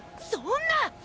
そんな！！